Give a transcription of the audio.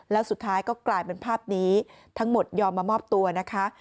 แล้วสุดท้ายก็กลายเป็นภาพนี้ทั้งหมดยอมมามอบตัวนะคะ